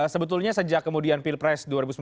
sebetulnya sejak kemudian pilpres dua ribu sembilan belas